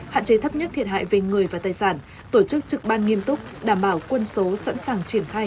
hạn chế thấp nhất thiệt hại về người và tài sản tổ chức trực ban nghiêm túc đảm bảo quân số sẵn sàng triển khai